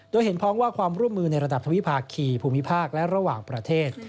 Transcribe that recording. โดยเห็นพ้องว่าความร่วมมือในระดับทวิภาคีภูมิภาคและระหว่างประเทศ